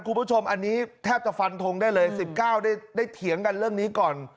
คุณผู้ชมอันนี้แทบจะฟันทงได้เลย๑๙ได้เถียงกันเรื่องนี้ก่อน